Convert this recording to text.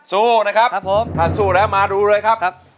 สู้นะครับถ้าสู้แล้วมาดูเลยครับ